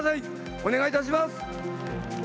お願いいたします。